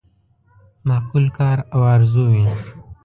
معقول کار او آرزو وي.